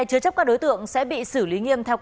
chứa chấp các đối tượng sẽ bị xử lý nghiêm